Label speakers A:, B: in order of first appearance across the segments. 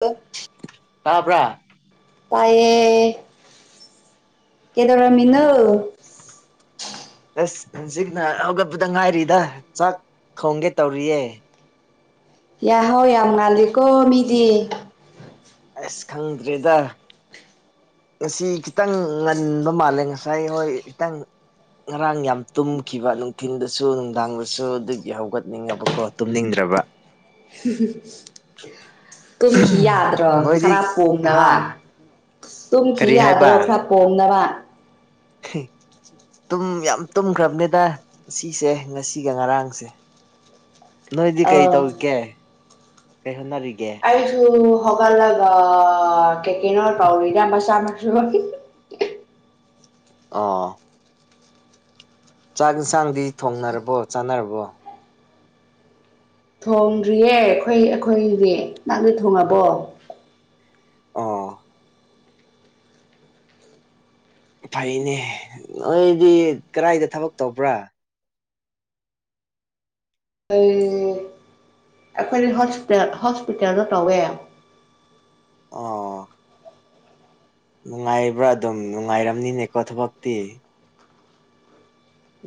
A: hello
B: ꯇꯥꯕ꯭ꯔꯥ
A: ꯇꯌꯦ ꯀꯗꯒꯃꯤꯅꯣ
B: ꯑꯁ ꯍꯧꯖꯤꯛꯅ ꯍꯧꯒꯠꯄꯗ ꯉꯥꯏꯔꯤꯗ ꯆꯥꯛ ꯈꯣꯡꯒꯦ ꯇꯧꯔꯤꯌꯦ
A: ꯌꯥꯍꯧ ꯌꯥꯝ ꯉꯜꯂꯤꯦꯀꯣ ꯃꯤꯗꯤ
B: ꯑꯁ ꯈꯪꯗ꯭ꯔꯤꯗ ꯑꯁꯤ ꯈꯤꯇꯪ ꯉꯟꯕ ꯃꯥꯜꯂꯦ ꯉꯁꯥꯏ ꯍꯣꯏ ꯈꯤꯇꯪ ꯉꯔꯥꯡ ꯌꯥꯝ ꯇꯨꯝꯈꯤꯕ ꯅꯨꯡꯊꯤꯟꯗꯁꯨ ꯅꯨꯡꯗꯥꯡꯗꯁꯨ ꯑꯗꯨꯒꯤ ꯍꯧꯒꯠꯅꯤꯡꯉꯕꯀꯣ ꯇꯨꯝꯅꯤꯡꯗ꯭ꯔꯕ
A: ꯇꯨꯝꯈꯤ ꯌꯥꯗ꯭ꯔꯣ
B: ꯅꯣꯏꯗꯤ
A: ꯈꯔ
B: ꯍꯥ
A: ꯀꯣꯝꯅꯕ ꯇꯨꯝꯈꯤ
B: ꯀꯔꯤ ꯍꯥꯏꯕ
A: ꯌꯥꯗ꯭ꯔꯣ ꯈꯔ ꯄꯣꯝꯅꯕ
B: ꯇꯨꯝ ꯌꯥꯝ ꯇꯨꯝꯈ꯭ꯔꯕꯅꯦꯗ ꯁꯤꯁꯦ ꯉꯁꯤꯒ ꯉꯔꯥꯡꯁꯦ ꯅꯣꯏꯗꯤ ꯀꯩ
A: ꯑꯥ
B: ꯇꯧꯔꯤꯒꯦ ꯀꯩ ꯍꯣꯠꯅꯔꯤꯒꯦ
A: ꯄꯁꯨ ꯁꯒꯜꯂ ꯀꯀ ꯇꯥꯎꯔꯤꯗ ꯆꯥꯁꯨ
B: ꯑꯥ ꯆꯥꯛ ꯌꯦꯟꯁꯥꯡꯗꯤ ꯊꯣꯡꯅꯔꯕꯣ ꯆꯥꯅꯔꯕꯣ
A: ꯊꯣꯡꯗ꯭ꯔꯤꯌꯦ ꯑꯩꯈꯣꯏ ꯑꯩꯈꯣꯏꯗꯤ ꯅꯍꯪꯗꯤ ꯊꯣꯉꯕꯣ
B: ꯑ ꯐꯩꯅꯦ ꯅꯣꯏꯗꯤ ꯀꯗꯥꯏꯗ ꯊꯕꯛ ꯇꯧꯕ꯭ꯔꯥ
A: ꯑꯩ ꯑꯩꯈꯣꯏ ꯍꯣꯁꯄꯤ ꯍꯣꯁꯄꯤꯇꯥꯦꯜꯗꯣ ꯇꯧꯋꯦ
B: ꯑꯣ ꯅꯨꯡꯉꯥꯏꯕ꯭ꯔꯥ ꯑꯗꯨꯝ ꯅꯨꯡꯉꯥꯏꯔꯝꯅꯤꯅꯦꯀꯣ ꯊꯕꯛꯇꯤ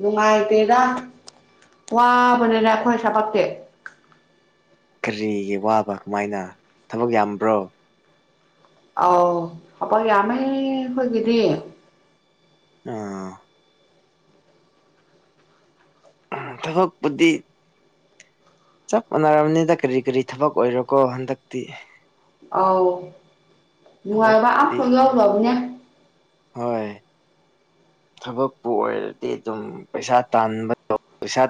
A: ꯅꯨꯡꯉꯥꯏꯇꯦꯗ ꯋꯥꯕꯅꯤꯅ ꯑꯩꯈꯣꯏ ꯁꯥꯄꯛꯇꯦ
B: ꯀꯔꯤꯒꯤ ꯋꯥꯕ ꯀꯃꯥꯏꯅ ꯊꯕꯛ ꯌꯥꯝꯕ꯭ꯔꯣ
A: ꯑꯣ ꯍꯕ ꯌꯥꯔꯃꯦ ꯍꯒꯗꯤ
B: ꯑꯥ ꯊꯕꯛꯄꯨꯗꯤ ꯆꯞ ꯃꯥꯟꯅꯔꯕꯅꯤꯗ ꯀꯔꯤ ꯀꯔꯤ ꯊꯕꯛ ꯑꯣꯏꯔꯣꯀꯣ ꯍꯟꯗꯛꯇꯤ
A: ꯑꯥꯎ ꯅꯨꯡꯉꯥꯏꯕ
B: ꯊꯕꯛꯇꯤ
A: ꯑꯐꯣ ꯌꯥꯎꯂꯎꯕꯅꯦ
B: ꯍꯣꯏ ꯊꯕꯛꯄꯨ ꯑꯣꯏꯔꯗꯤ ꯑꯗꯨꯝ ꯄꯩꯁꯥ ꯇꯥꯟꯕ ꯄꯩꯁꯥ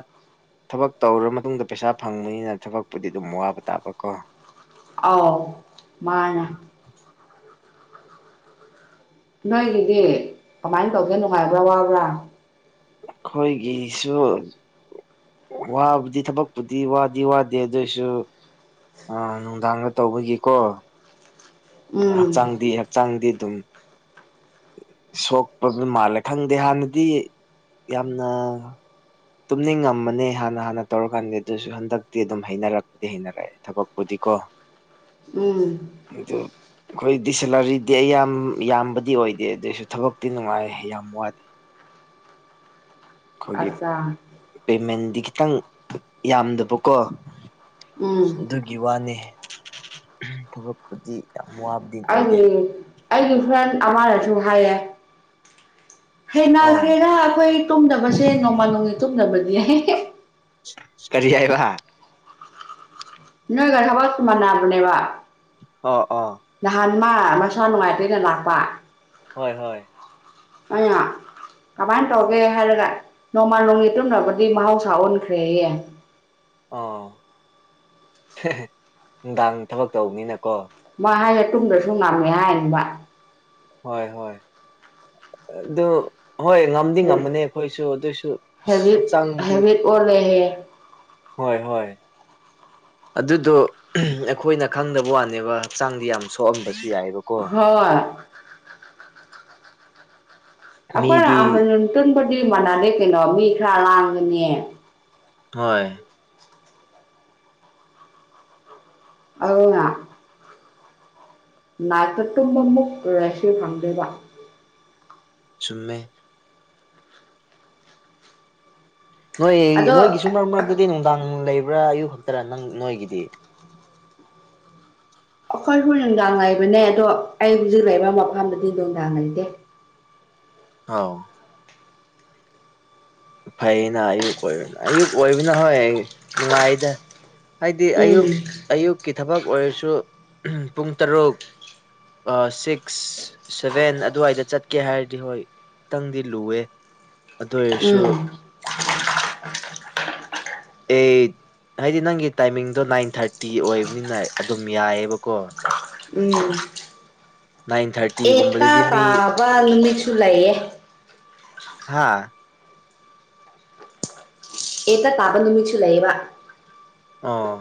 B: ꯊꯕꯛ ꯇꯧꯔꯔꯕ ꯃꯇꯨꯡꯗ ꯄꯩꯁꯥ ꯐꯪꯕꯅꯤꯅ ꯊꯕꯛꯄꯨꯗꯤ ꯑꯗꯨꯝ ꯋꯥꯕ ꯇꯥꯕ ꯀꯣ
A: ꯑꯥꯎ ꯃꯥꯅ ꯅꯣꯏꯒꯤꯗꯤ ꯀꯃꯥꯏꯅ ꯇꯧꯒꯦ ꯅꯨꯡꯉꯥꯏꯕ꯭ꯔꯥ ꯋꯥꯕ꯭ꯔꯥ
B: ꯑꯩꯈꯣꯏꯒꯤꯁꯨ ꯋꯥꯕꯨꯗꯤ ꯊꯕꯛꯄꯨꯗꯤ ꯋꯥꯗꯤ ꯋꯥꯗꯦ ꯑꯗꯨꯑꯣꯏꯁꯨ ꯑ ꯅꯨꯡꯗꯥꯡꯒ ꯇꯧꯕꯒꯤꯀꯣ
A: ꯎꯝ
B: ꯍꯛꯆꯥꯡꯗꯤ ꯍ ꯆꯪꯗꯦ ꯑꯗꯨꯝ ꯁꯣꯛꯄ ꯃꯥꯜꯂꯦ ꯈꯪꯗꯦ ꯍꯥꯟꯅꯗꯤ ꯌꯥꯝꯅ ꯇꯨꯝꯅꯤꯡꯉꯝꯃꯅꯦ ꯍꯥꯟꯅ ꯍꯥꯟꯅ ꯇꯧꯔꯀꯥꯟꯗ ꯑꯗꯨꯁꯨ ꯍꯟꯗꯛꯇꯤ ꯑꯗꯨꯝ ꯍꯩꯅꯔꯛꯄꯗꯤ ꯍꯩꯅꯔꯛꯑꯦ ꯊꯕꯛꯄꯨꯗꯤꯀꯣ
A: ꯎꯝ
B: ꯑꯗꯣ ꯑꯩꯈꯣꯏ ꯗꯤꯁꯦꯂꯔꯤꯗꯤ ꯑꯩ ꯌꯥꯝ ꯌꯥꯝꯕꯗꯤ ꯑꯣꯏꯗꯦ ꯑꯗꯨꯏꯁꯨ ꯊꯕꯛꯇꯤ ꯅꯨꯡꯉꯥꯏ ꯌꯥꯝ ꯋꯥꯗꯦ
A: [unintelligible] [unintelligible]
B: ꯈꯣꯏꯒꯤꯞ
A: ꯑꯠꯆꯥ
B: ꯄꯦꯃꯦꯟꯗꯤ ꯈꯤꯇꯪ ꯌꯥꯝꯗꯕꯀꯣ
A: ꯎꯝ
B: ꯑꯗꯨꯒꯤ ꯋꯥꯅꯦ ꯊꯕꯛꯄꯨꯗꯤ ꯌꯥꯝ ꯋꯥꯕ
A: ꯑꯩꯒꯤ ꯑꯩꯒꯤ ꯐ꯭ꯔꯦꯟ ꯑꯃꯅꯁꯨ ꯍꯥꯏꯌꯦ
B: ꯑꯣ
A: ꯍꯦꯟꯅꯈ꯭ꯔꯦꯔꯥ ꯑꯩꯈꯣꯏ ꯇꯨꯝꯅꯕꯁꯦ ꯅꯣꯡꯃ ꯅꯣꯡꯒꯤ ꯇꯨꯝꯗꯅꯕꯗꯤ
B: ꯀꯔꯤꯌꯥꯕ
A: ꯅꯣꯏꯒꯔ ꯍꯕ ꯁꯃꯅꯕꯅꯦꯕ
B: ꯑ ꯑ
A: ꯅꯍꯥꯟ ꯃꯥ ꯃꯁꯥ ꯅꯨꯡꯉꯥꯏꯇꯩꯅ ꯂꯥꯛꯄ
B: ꯍꯣꯏ ꯍꯣꯏ
A: ꯑ ꯀꯃꯥꯏꯅ ꯇꯧꯒꯦ ꯍꯥꯏꯔꯒ ꯅꯣꯡꯃꯥꯟ ꯅꯣꯡꯒꯤ ꯇꯨꯝꯅꯕꯗꯤ ꯃꯍꯧꯁꯥ ꯑꯣꯟꯈ꯭ꯔꯦꯌꯦ
B: ꯑꯣ ꯅꯨꯡꯗꯥꯡ ꯊꯕꯛ ꯇꯧꯕꯅꯤꯅꯀꯣ
A: ꯃꯥ ꯍꯥꯏꯒ ꯇꯨꯝꯗꯁꯨꯨꯝ ꯉꯝꯃꯦ ꯍꯥꯏꯅꯤꯕ
B: ꯍꯣꯏ ꯍꯣꯏ ꯑꯗꯣ ꯍꯣꯏ ꯉꯝꯗꯤ ꯉꯝꯃꯅꯤ ꯑꯩꯈꯣꯏꯁꯨ ꯑꯗꯨꯏꯁꯨ ꯑꯁ
A: ꯍꯦꯕꯤꯠ
B: ꯍꯛꯆꯥꯡꯗꯤ
A: ꯍꯦꯕꯤꯠ ꯑꯣꯜꯂꯦꯍꯦ
B: ꯍꯣꯏ ꯍꯣꯏ ꯑꯗꯨꯗꯣ ꯑꯩꯈꯣꯏꯅ ꯈꯪꯗꯕ ꯋꯥꯅꯦꯕ ꯍꯛꯆꯥꯡꯗꯤ ꯌꯥꯝ ꯁꯣꯛꯑꯝꯕꯁꯨ ꯌꯥꯏꯑꯕ
A: ꯍꯣꯏ ꯑꯩꯈꯣꯏ
B: ꯃꯤꯗꯤ
A: ꯑꯍ ꯇꯨꯟꯕꯗꯤ ꯃꯥꯟꯅꯗꯦ ꯀꯩꯅꯣ ꯃꯤ ꯈꯔ ꯂꯥꯡꯒꯅꯤ
B: ꯍꯣꯏ
A: ꯑꯅꯥ ꯅꯥꯏꯄꯠꯇꯨꯝꯕꯃꯨꯛ ꯔꯦꯁ ꯐꯪꯗꯦꯕ
B: ꯆꯨꯝꯃꯦ ꯅꯣꯏ
A: ꯑꯗꯣ
B: ꯅꯣꯏꯒꯤꯁꯨ ꯃꯔꯛ ꯃꯔꯛꯇꯗꯤ ꯅꯨꯡꯗꯥꯡ ꯂꯩꯕ꯭ꯔꯥ ꯑꯌꯨꯛ ꯈꯛꯇꯔ ꯅꯪ ꯅꯣꯏꯒꯤꯗꯤ
A: ꯑꯩꯈꯣꯏ ꯍꯣꯏ ꯅꯨꯡꯗꯥꯡ ꯍꯥꯏꯥꯏꯕꯅꯦ ꯑꯗꯣ ꯑꯩ ꯍꯧꯖꯤꯛ ꯂꯩꯔꯤꯕ ꯃꯐꯝꯗꯗꯤ ꯅꯨꯡꯗꯥꯡ ꯂꯩꯇꯦ
B: ꯍꯥꯎ ꯐꯩꯅ ꯑꯌꯨꯛ ꯑꯣꯏꯕꯅꯤ ꯑꯌꯨꯛ ꯑꯣꯏꯕꯅ ꯍꯣꯏ ꯅꯨꯡꯉꯥꯏꯗ ꯍꯥꯏꯗꯤ ꯑꯌꯨꯛ
A: ꯎꯝ
B: ꯑꯌꯨꯛꯀꯤ ꯊꯕꯛ ꯑꯣꯏꯔꯁꯨ ꯄꯨꯡ ꯇꯔꯨꯛ ꯁꯤꯛꯁ ꯁꯚꯦꯟ ꯑꯗꯨꯋꯥꯏꯗ ꯆꯠꯀꯦ ꯍꯥꯏꯔꯗꯤ ꯍꯣꯏ ꯈꯤꯇꯪꯗꯤ ꯂꯨꯑꯦ ꯑꯗꯨ ꯑꯣꯏꯔꯁꯨ
A: [inaudible] [unintelligible]
B: ꯑꯦ ꯍꯥꯏꯗꯤ ꯅꯪꯒꯤ ꯇꯥꯏꯃꯤꯡꯗꯣ ꯅꯥꯏꯟ ꯊꯥꯔꯇꯤ ꯑꯣꯏꯕꯅꯤꯅ ꯑꯗꯨꯝ ꯌꯥꯏꯌꯦꯕꯀꯣ
A: ꯎꯝ
B: ꯏꯟ ꯊꯥꯔꯇꯤ
A: ꯑꯦꯇꯥ ꯇꯥꯕ ꯅꯨꯃꯤꯠꯁꯨ ꯂꯩꯌꯦ
B: ꯍꯥꯥ
A: ꯑꯦꯇ ꯇꯥꯕꯅꯤꯃꯤꯁꯨꯨꯂꯕ
B: ꯑꯥ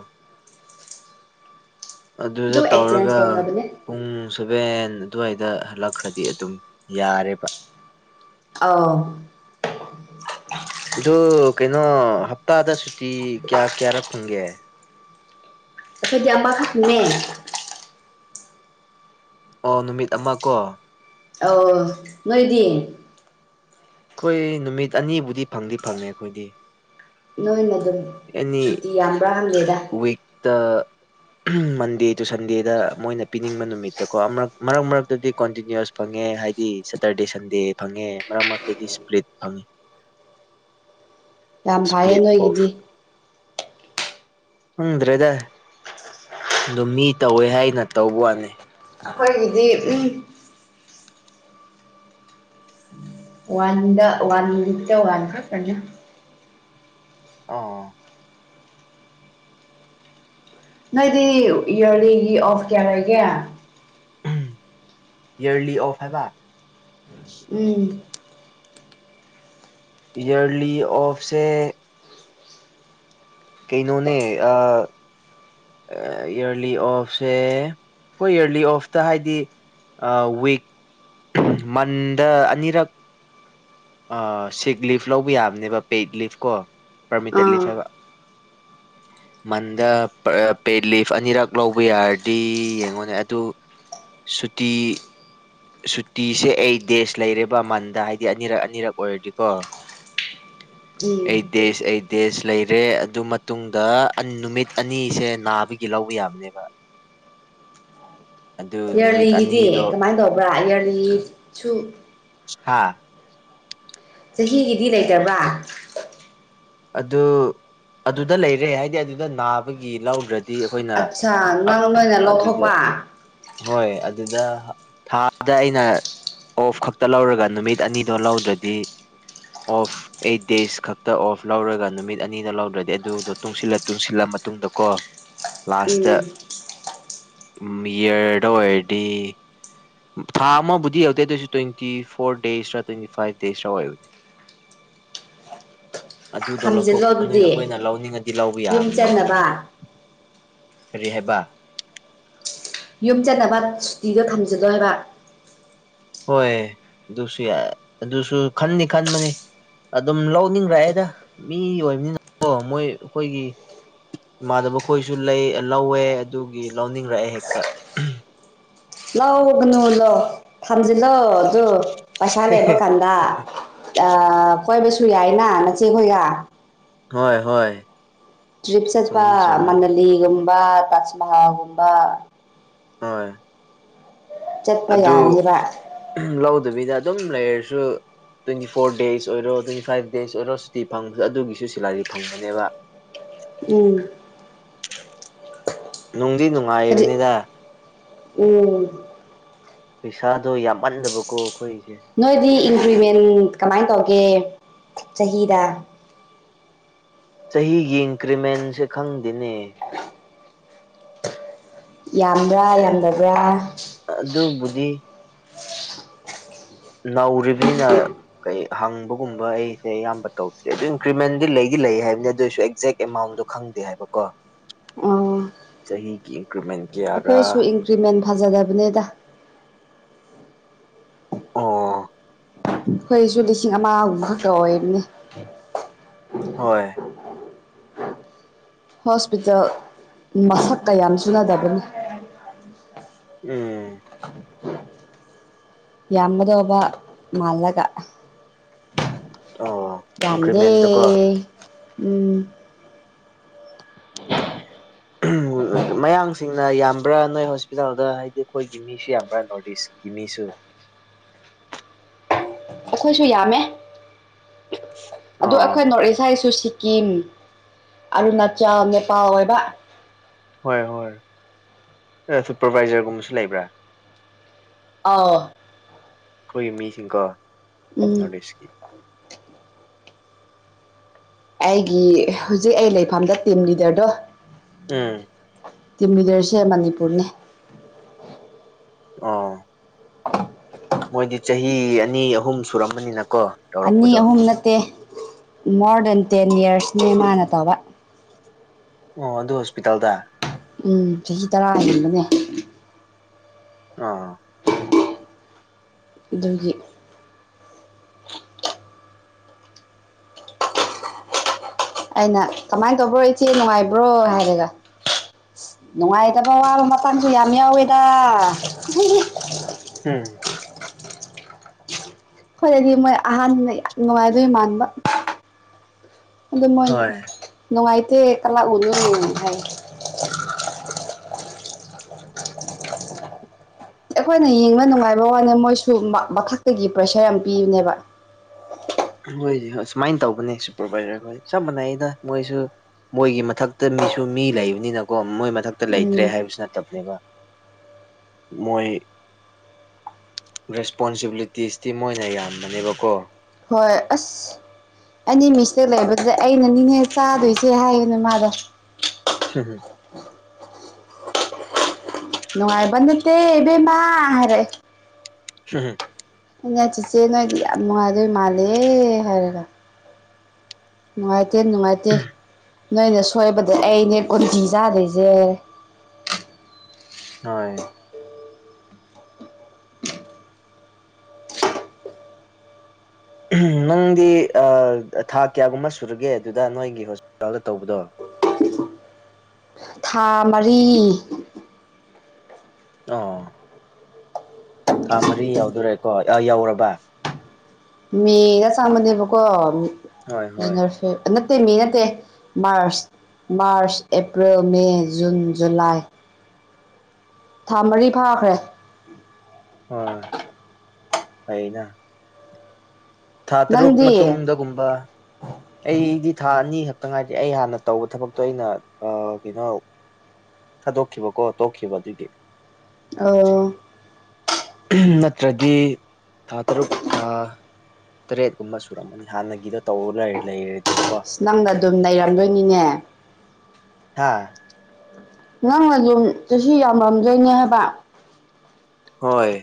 B: ꯑꯗꯨꯗ
A: ꯑꯗꯨ ꯑꯦꯛꯆꯦꯟꯖ
B: ꯇꯧꯔꯒ
A: ꯇꯧꯅꯕꯅꯦ
B: ꯄꯨꯡ ꯁꯨꯕꯦꯟ ꯑꯗꯨꯋꯥꯏꯗ ꯍꯜꯂꯛꯈ꯭ꯔꯗꯤ ꯑꯗꯨꯝ ꯌꯥꯔꯦꯕ
A: ꯑꯥꯎ
B: ꯑꯗꯨ ꯀꯩꯅꯣ ꯍꯞꯇꯥꯗ ꯁꯨꯇꯤ ꯀꯌꯥ ꯀꯌꯥꯔꯛ ꯐꯪꯒꯦ
A: ꯑꯩꯈꯣꯏꯗꯤꯃꯈꯛꯅꯦ
B: ꯑꯣ ꯅꯨꯃꯤꯠ ꯑꯃ ꯀꯣ
A: ꯑ ꯅꯣꯏꯗꯤꯡ
B: ꯑꯩꯈꯣꯏ ꯅꯨꯃꯤꯠ ꯑꯅꯤꯕꯨꯗꯤ ꯐꯪꯗꯤ ꯐꯪꯉꯦ ꯑꯩꯈꯣꯏꯗꯤ
A: ꯅꯣꯏꯅ ꯑꯗꯨꯝ
B: ꯑꯦꯅꯤ
A: ꯁꯨꯇꯤ ꯌꯥꯝꯕ꯭ꯔꯥ ꯍꯪꯒꯦꯗ
B: ꯋꯤꯛ ꯇ ꯃꯟꯗꯦ ꯇꯨ ꯁꯟꯗꯦꯗ ꯃꯣꯏꯅ ꯄꯤꯅꯤꯡꯕ ꯅꯨꯃꯤꯠꯇꯀꯣꯛ ꯃꯔꯛ ꯃꯔꯛꯇꯗꯤ ꯀꯣꯟꯇꯤꯅ꯭ꯌꯨꯁ ꯐꯪꯉꯦ ꯍꯥꯏꯗꯤ ꯁꯦꯇꯔꯗꯦ ꯁꯟꯗꯦ ꯐꯪꯉꯦ ꯃꯔꯛ ꯃꯔꯛꯇꯗꯤ ꯁꯄ꯭ꯔꯤꯠ ꯐꯪꯉꯦ
A: ꯌꯥꯝ ꯐꯩꯌꯦ
B: ꯁ꯭ꯄ꯭ꯂꯤꯠ
A: ꯅꯣꯏꯒꯤꯗꯤ
B: ꯑꯣꯐ ꯈꯪꯗ꯭ꯔꯦꯗ ꯑꯣ ꯃꯤ ꯇꯧꯋꯦ ꯍꯥꯏꯅ ꯇꯧꯕ ꯋꯥꯅꯤ
A: ꯑꯩꯈꯣꯏꯒꯤꯗꯤ ꯋꯥꯟꯗ ꯋꯥꯟ ꯂꯤꯇ ꯋꯥꯟ ꯀꯅ
B: ꯑ
A: ꯅꯣꯏꯗꯤ ꯏꯔꯂꯤꯒꯤ ꯑꯣꯐ ꯀꯌꯥ ꯂꯩꯒꯦ
B: ꯏꯔꯂꯤ ꯑꯣꯐ ꯍꯥꯏꯕ
A: ꯎꯝ
B: ꯏꯔꯂꯤ ꯑꯣꯐꯁꯦ ꯀꯩꯅꯣꯅꯦ ꯑ ꯏꯔꯂꯤ ꯑꯣꯐꯁꯦ ꯑꯩꯈꯣꯏ ꯏꯔꯂꯤ ꯑꯣꯐꯇ ꯍꯥꯏꯗꯤ ꯋꯤꯛ ꯃꯟꯗ ꯑꯅꯤꯔꯛ ꯁꯤꯛ ꯂꯤꯐ ꯂꯧꯕ ꯌꯥꯕꯅꯦꯕ ꯄꯦꯗ ꯂꯤꯐ ꯀꯣ ꯄꯔꯃꯤꯇꯦꯠ
A: ꯑꯥ
B: ꯂꯤꯐ ꯍꯥꯏꯕ
A: [inaudible]
B: ꯃꯟꯗ ꯄꯦꯠ ꯂꯤꯐ ꯑꯅꯤꯔꯛ ꯂꯧꯕ ꯌꯥꯔꯗꯤ ꯌꯦꯡꯉꯣꯅꯦ ꯑꯗꯨ ꯁꯨꯇꯤ ꯁꯨꯇꯤꯁꯦ ꯑꯩꯠ ꯗꯦꯖ ꯂꯩꯔꯦꯕ ꯃꯟꯗ ꯍꯥꯏꯗꯤ ꯑꯅꯤꯔꯛ ꯑꯅꯤꯔꯛ ꯑꯣꯏꯔꯗꯤꯀꯣ ꯎꯝꯆ eight
A: um
B: days eight days ꯂꯩꯔꯦ ꯑꯗꯨ ꯃꯇꯨꯡꯗ ꯅꯨꯃꯤꯠ ꯑꯅꯤꯁꯦ ꯅꯥꯕꯒꯤ ꯂꯧꯕ ꯌꯥꯕꯅꯦꯕ
A: [unintelligible]
B: ꯑꯗꯨ ꯅꯨꯃꯤꯠ
A: ꯏꯌꯥꯔꯂꯤꯒꯤꯗꯤ
B: ꯑꯅꯤꯗꯣ
A: ꯀꯃꯥꯏꯅ ꯇꯧꯕ꯭ꯔꯥ ꯏꯌꯥꯔꯂꯤꯁꯨ
B: [unintelligible]
A: ꯆꯍꯤꯒꯤꯗꯤ ꯂꯩꯇꯕ
B: ꯑꯗꯨ ꯑꯗꯨꯗ ꯂꯩꯔꯦ ꯍꯥꯏꯗꯤ ꯑꯗꯨꯗ ꯅꯥꯕꯒꯤ ꯂꯧꯒ꯭ꯔꯠ ꯗꯤ ꯑꯩꯈꯣꯏꯅ
A: ꯑꯠꯁꯥ
B: ꯑꯥ
A: ꯅꯪ ꯅꯣꯏꯅ
B: ꯑꯗꯨꯗ
A: ꯂꯧꯊꯣꯛꯄ
B: ꯍꯣꯏ ꯑꯗꯨꯗ ꯊꯥꯗ ꯑꯩꯅ ꯑꯣꯐ ꯈꯛꯇ ꯂꯧꯔꯒ ꯅꯨꯃꯤꯠ ꯑꯅꯤꯗꯣ ꯂꯧꯗ꯭ꯔꯗꯤ ꯑꯣꯐ ꯑꯩꯠ ꯗꯦꯁ ꯈꯛꯇꯛꯇ ꯑꯣꯐ ꯂꯧꯔꯒ ꯅꯨꯃꯤꯠ ꯑꯅꯤꯗ ꯂꯧꯗ꯭ꯔꯗꯤ ꯑꯗꯨꯗꯣ ꯇꯨꯡꯁꯤꯜꯂ ꯇꯨꯡꯁꯤꯜꯂ ꯃꯇꯨꯡꯗ ꯀꯣ ꯂꯥꯁꯇ
A: ꯎꯝ
B: ꯎꯝꯃꯤꯌꯔꯗ ꯑꯣꯏꯔꯗꯤ ꯊꯥ ꯑꯃꯕꯨꯗꯤ ꯌꯧꯗꯦꯗꯣꯏꯁꯨ ꯇ꯭ꯋꯦꯟꯇꯤ ꯐꯣꯔ ꯗꯦꯁꯔꯥ ꯇ꯭ꯋꯦꯟꯇꯤ ꯐꯥꯏꯚ ꯗꯦꯖꯔ ꯑꯣꯏꯕꯅꯦ
A: ꯆꯥ
B: ꯑꯗꯨꯗꯣ ꯂꯧꯊꯣꯛ ꯅꯣꯏ ꯑꯩꯈꯣꯏꯅ ꯂꯧꯅꯤꯡꯉꯗꯤ ꯂꯧꯕ
A: ꯌꯨꯝ
B: ꯌꯥꯕꯅꯤ ꯑꯗꯨꯃꯥꯏꯅ
A: ꯆꯠꯅꯕ
B: ꯀꯔꯤꯍꯦꯕ
A: ꯌꯨꯝ ꯆꯠꯅꯕ ꯁꯨꯇꯤꯗꯣ ꯊꯝꯖꯤꯟꯂꯣ ꯍꯥꯏꯕ
B: ꯍꯣꯏ ꯗꯨꯁꯨ ꯌꯥꯏ ꯑꯗꯨꯁꯨ ꯈꯟꯗꯤ ꯈꯟꯕꯅꯤ ꯑꯗꯨꯝ ꯂꯧꯅꯤꯡꯔꯛꯑꯦꯗ ꯃꯤ ꯑꯣꯏꯕꯅꯤ ꯅꯀꯣ ꯃꯣꯏ ꯑꯈꯣꯏꯒꯤ ꯏꯃꯥꯟꯅꯕ ꯈꯣꯏꯁꯨ ꯂꯩ ꯂꯧꯋꯦ ꯑꯗꯨꯒꯤ ꯂꯧꯅꯤꯡꯔꯛꯑꯦ ꯍꯦꯛꯇ
A: ꯂꯩꯒꯅꯨ ꯂ ꯊꯝꯖꯤꯜꯂꯣ ꯖꯨ ꯄꯩꯁꯥ ꯂꯩꯕ ꯀꯥꯟꯗ ꯀꯣꯏꯕꯁꯨ ꯌꯥꯏꯅ ꯅꯆꯦꯈꯣꯏꯒ
B: ꯍꯣꯏ ꯍꯣꯏ
A: ꯇ꯭ꯔꯤꯞ
B: ꯆꯨꯝꯃꯤ
A: ꯆꯠꯄ
B: ꯆꯨꯝꯃꯤ
A: ꯃꯅꯂꯤꯒꯨꯝꯕ ꯇꯥꯖ ꯃꯍꯜꯒꯨꯝꯕ
B: ꯍꯣꯏ
A: ꯆꯠꯄ
B: ꯑꯗꯨ
A: ꯌꯥꯅꯤꯕ
B: ꯎꯝꯍ ꯂꯧꯗꯕꯤꯗ ꯑꯗꯨꯝ ꯂꯩꯔꯁꯨ ꯇ꯭ꯋꯦꯟꯇꯤ ꯐꯣꯔ ꯗꯦꯖ ꯑꯣꯏꯔꯣ ꯇ꯭ꯋꯦꯟꯇꯤ ꯐꯥꯏꯚ ꯗꯦꯖ ꯑꯣꯏꯔꯣ ꯁꯨꯇꯤ ꯐꯪꯕꯗ ꯑꯗꯨꯒꯤꯁꯨ ꯁꯦꯂꯥꯔꯤ ꯐꯪꯕꯅꯦꯕ
A: ꯎꯝ
B: ꯅꯨꯡꯗꯤ
A: ꯀꯔꯤ
B: ꯅꯨꯡꯉꯥꯏꯔꯤꯕꯅꯤꯅ
A: ꯎꯝ
B: ꯄꯩꯁꯥꯗꯣ ꯌꯥꯝꯃꯟꯗꯕꯀꯣ ꯑꯈꯣꯏꯒꯤꯁꯦ
A: ꯅꯣꯏꯗꯤ ꯏꯟꯀ꯭ꯔꯤꯃꯦꯟ ꯀꯃꯥꯏꯅ ꯇꯧꯒꯦ ꯆꯍꯤꯗ
B: ꯆꯍꯤꯒꯤ ꯏꯟꯀ꯭ꯔꯤꯃꯦꯟꯁꯦ ꯈꯪꯗꯦꯅꯦ
A: ꯌꯥꯝꯕ꯭ꯔꯥ ꯌꯥꯝꯗꯕ꯭ꯔꯥ
B: ꯑꯑꯗꯨꯕꯨꯗꯤ ꯅꯧꯔꯤꯕꯅꯤꯅ ꯀꯩ ꯍꯪꯕꯒꯨꯝꯕ ꯑꯩꯁꯦ ꯑꯌꯥꯝꯕ ꯇꯧꯗ꯭ꯔꯤꯦ ꯑꯗꯨ ꯏꯟꯀ꯭ꯔꯤꯃꯦꯟꯗꯤ ꯂꯩꯗꯤ ꯂꯩ ꯍꯥꯏꯕꯅꯤ ꯑꯗꯨꯑꯣꯏꯁꯨ ꯑꯦꯛꯖꯦꯛ ꯑꯦꯃꯥꯎꯟꯗꯣ ꯈꯪꯗꯦ ꯍꯥꯏꯕꯀꯣ
A: ꯑꯣ
B: ꯆꯍꯤꯒꯤ ꯏꯟꯀ꯭ꯔꯨꯃꯦꯟ
A: ꯑꯩꯈꯣꯏꯁꯨ ꯏꯟꯀ꯭ꯔꯤꯃꯦꯟ ꯐꯖꯗꯕꯅꯦꯗ
B: ꯑꯥ
A: ꯑꯩꯈꯣꯏꯁꯨ ꯂꯤꯁꯤꯡ ꯑꯃꯒꯨꯝꯈꯛꯀ ꯑꯣꯏꯔꯅꯤ
B: ꯍꯣꯏ
A: ꯍꯣꯁꯄꯤꯇꯥꯜ ꯃꯁꯛꯀꯌꯥꯝ ꯆꯨꯅꯗꯕꯅꯤ
B: ꯎꯝ
A: ꯑꯃꯗꯣꯕ ꯃꯂꯒ
B: ꯑꯣ
A: ꯌꯥꯝꯗꯦ
B: ꯏꯟꯀ꯭ꯔꯤꯃꯦꯟꯗꯨꯀꯣ
A: ꯎꯝ [unintelligible]
B: ꯃꯌꯥꯡꯁꯤꯡꯅ ꯌꯥꯝꯕ꯭ꯔꯥ ꯅꯣꯏ ꯍꯣꯁꯄꯤꯇꯥꯜꯗ ꯍꯥꯏꯗꯤ ꯑꯩꯈꯣꯏꯒꯤ ꯃꯤꯁꯤ ꯌꯥꯝ ꯅꯣꯇꯁ ꯀꯃꯤꯁꯨ
A: ꯑꯈꯣꯏꯁꯨ ꯌꯥꯝꯃꯦ ꯎꯞ ꯑ ꯑꯗꯨ
B: ꯑꯥ
A: ꯑꯩꯈꯣꯏ ꯅꯣꯔꯠ ꯏꯁ ꯍꯥꯏꯁꯨ ꯁꯤꯠ ꯀꯤꯝ ꯑꯔꯨꯅꯥꯆꯥꯜ ꯅꯦꯄꯥꯜ ꯑꯣꯏꯕ
B: ꯍꯣꯏ ꯍꯣꯏ ꯑ ꯁꯨꯄꯔꯚꯏꯖꯔꯒꯨꯝꯕꯁꯨ ꯂꯩꯕ꯭ꯔꯥ
A: ꯑꯥꯎ
B: ꯑꯩꯈꯣꯏꯒꯤ ꯃꯤꯁꯤꯡꯀꯣ
A: ꯎꯝ
B: ꯅꯣꯔꯠ ꯏꯁꯀꯤ
A: ꯑꯩꯒꯤ ꯍꯧꯖꯤꯛ ꯑꯩ ꯂꯩꯐꯝꯗ ꯇꯤꯝ ꯂꯤꯗꯔꯗꯨ
B: ꯎꯝ
A: ꯇꯤꯝ ꯂꯤꯗꯔꯁꯦ ꯃꯅꯤꯄꯨꯔꯅꯦ
B: ꯑ ꯃꯣꯏꯗꯤ ꯆꯍꯤ ꯑꯅꯤ ꯑꯍꯨꯝ ꯁꯨꯔꯝꯃꯅꯤꯅꯀꯣ
A: ꯑꯅꯤ
B: ꯇꯧꯔꯛꯄꯗꯣ
A: ꯑꯍꯨꯝ ꯅꯠꯇꯦ ꯃꯣꯔ ꯗꯦꯟ ꯇꯦꯟ ꯌꯤꯌꯔꯁꯅꯦ ꯃꯥꯅ ꯇꯧꯕ
B: ꯑꯣ ꯑꯗꯨ ꯍꯣꯁꯄꯤꯇꯥꯜꯗ
A: ꯎꯝ ꯆꯍꯤ ꯇꯔꯥ ꯍꯦꯟꯕꯅꯦ
B: ꯑ
A: ꯗꯨꯒꯤ ꯑꯩꯅ ꯀꯃꯥꯏꯟ ꯇꯧꯕ꯭ꯔꯣ ꯏꯆꯦ ꯅꯨꯡꯉꯥꯏꯕ꯭ꯔꯣ ꯍꯥꯏꯔꯒ ꯅꯨꯡꯉꯥꯏꯇꯕ ꯋꯥꯕ ꯃꯇꯥꯡꯁꯨ ꯌꯥꯝ ꯌꯥꯎꯋꯦꯗ ꯎꯝꯍꯨꯝꯍꯨꯝ
B: ꯍꯝ
A: ꯑꯈꯣꯏꯗꯗꯤ ꯃꯣꯏ ꯑꯍꯥꯟꯕꯅ ꯌꯥꯝ ꯅꯨꯡꯉꯥꯏꯗꯣꯏ ꯃꯥꯟꯕ ꯑꯗꯨ ꯃꯣꯏꯅ
B: ꯍꯣꯏ
A: ꯅꯨꯡꯉꯥꯏꯇꯦ ꯀꯂꯥ ꯑꯣꯅꯔꯅ ꯍꯥꯏ ꯑꯩꯈꯣꯏꯅ ꯌꯦꯡꯕ ꯅꯨꯡꯉꯥꯏꯕ ꯋꯥꯅꯦ ꯃꯣꯏꯁꯨ ꯃꯊꯛꯇꯒꯤ ꯄ꯭ꯔꯦꯁꯔ ꯌꯥꯝ ꯄꯤꯌꯨꯅꯦꯕ
B: ꯍꯣꯏꯗꯤ ꯍꯣꯏ ꯁꯨꯃꯥꯏꯅ ꯇꯧꯕꯅꯦ ꯁꯨꯄꯔꯚꯥꯏꯖꯔ ꯍꯣꯏ ꯆꯞ ꯃꯥꯟꯅꯩꯗ ꯃꯣꯏꯁꯨ ꯃꯣꯏꯒꯤ ꯃꯊꯛꯇ ꯃꯤꯁꯨ ꯃꯤ ꯂꯩꯕꯅꯤꯅꯀꯣ ꯃꯣꯏ ꯃꯊꯛꯇ ꯂꯩꯇ꯭ꯔꯦ
A: ꯎꯝ
B: ꯍꯥꯏꯕꯁꯨ ꯅꯠꯇꯕꯅꯦꯕ ꯃꯣꯏ ꯔꯦꯁꯄꯣꯟꯁꯤꯕꯤꯂꯤꯇꯤꯁꯇꯤ ꯃꯣꯏꯅ ꯌꯥꯝꯕꯅꯦꯕꯀꯣ
A: ꯍꯣꯏ ꯑꯁ ꯑꯅꯤ ꯃꯤꯁꯇꯦꯛ ꯂꯩꯕꯗꯨꯗ ꯑꯩꯅ ꯅꯤꯡꯍꯦꯛ ꯆꯥꯗꯣꯏꯁꯦ ꯍꯥꯏꯌꯦꯅ ꯃꯥꯗꯣ
B: ꯍꯨꯝ ꯍꯨꯝ
A: ꯂꯅꯨꯡꯉꯥꯏꯕꯗꯤꯦꯠꯇꯦꯕ ꯃꯥ ꯍꯥꯏꯔꯦ
B: ꯍꯨꯝꯍꯨꯝ
A: ꯏꯩꯅ ꯆꯤꯆꯦ ꯅꯣꯏꯗꯤ ꯌꯥꯝ ꯅꯨꯡꯉꯥꯏꯗꯣꯏ ꯃꯥꯜꯂꯦꯍꯦ ꯍꯥꯏꯔꯒ ꯅꯨꯡꯉꯥꯏꯇꯦ ꯅꯨꯡꯉꯥꯏꯇꯦ ꯅꯣꯏꯅ ꯁꯣꯏꯕꯗ ꯑꯩꯅꯦ ꯀꯟꯇꯤ ꯆꯥꯗꯣꯏꯁꯦ
B: ꯑꯥꯏ ꯅꯪꯗꯤ ꯊꯥ ꯀꯌꯥꯒꯨꯝꯕ ꯁꯨꯔꯒꯦ ꯑꯗꯨꯗ ꯅꯣꯏꯒꯤ ꯍꯣꯁꯄꯤꯇꯥꯜꯗ ꯇꯧꯕꯗꯣ
A: ꯊꯥ ꯃꯔꯤ
B: ꯑꯣ ꯊꯥ ꯃꯔꯤ ꯌꯥꯎꯗꯣꯔꯦꯀꯣ ꯌꯧꯔꯕ
A: ꯃꯦꯗ ꯆꯃꯟꯗꯦꯕꯣꯛꯀꯣ
B: ꯍꯣꯏ ꯍꯣꯏ
A: ꯅꯔꯁ ꯑ ꯅꯠꯇꯦ ꯃꯦ ꯅꯠꯇꯦ ꯃꯥꯔꯁ March April May June July ꯊꯥ ꯃꯔꯤ ꯐꯥꯈ꯭ꯔꯦ
B: ꯑꯣ ꯑꯩꯅ ꯊꯥ ꯇꯔꯨꯛ ꯃꯇꯨꯡꯗꯒꯨꯝꯕ
A: ꯍ
B: ꯑꯩꯗꯤ ꯊꯥ ꯑꯅꯤ ꯈꯛꯇ ꯉꯥꯏꯔꯤ ꯑꯩ ꯍꯥꯟꯅ ꯇꯧꯕ ꯊꯕꯛꯇꯣ ꯑꯩꯅ ꯀꯩꯅꯣ ꯊꯥꯗꯣꯛꯈꯤꯕꯀꯣ ꯇꯣꯛꯈꯤꯕ ꯑꯗꯨꯒꯤ
A: ꯑ
B: ꯅꯠꯇ꯭ꯔꯗꯤ ꯊꯥ ꯇꯔꯨꯛ ꯊꯥ ꯇꯔꯦꯠꯀꯨꯝꯕ ꯁꯨꯔꯝꯃꯅꯤ ꯍꯥꯟꯅꯒꯤꯗꯣ ꯇꯧꯔ ꯂꯩꯔ ꯂꯩꯔ
A: ꯅꯪꯅ ꯑꯗꯨꯝ ꯂꯩꯔꯝꯂꯣꯏꯅꯤꯅꯦ
B: ꯍꯥꯥ
A: ꯅꯪꯅ ꯌꯝ ꯆꯁꯤ ꯌꯥꯝꯔꯝꯗꯣꯏꯅꯦ ꯍꯥꯏꯕ
B: ꯍꯣꯏ